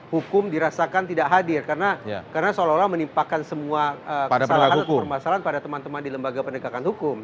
hukum dirasakan tidak hadir karena seolah olah menimpakan semua kesalahan atau permasalahan pada teman teman di lembaga penegakan hukum